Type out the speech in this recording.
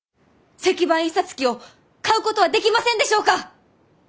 石版印刷機を買うことはできませんでしょうか？